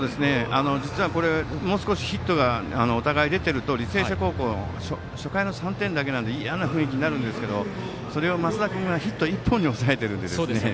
実はもう少しヒットがお互いに出ていると履正社高校は初回の３点だけなので嫌な雰囲気になりますが増田君がヒット１本に抑えているんです。